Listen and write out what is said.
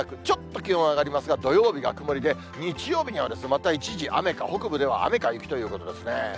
ちょっと気温上がりますが、土曜日が曇りで、日曜日にはまた一時雨か、北部では雨か雪ということですね。